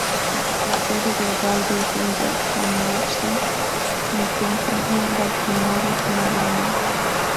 La sede global de Under Armour se encuentra en Baltimore, Maryland.